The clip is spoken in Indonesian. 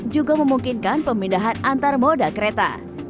juga memungkinkan pemindahan antar moda kereta